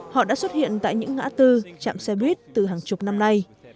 họ đã xuất hiện tại những ngã tư trạm xe buýt từ hàng chục năm nay